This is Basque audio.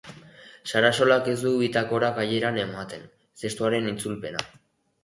Sarasolak ez du Bitakora kaieran ematen testuaren itzulpena.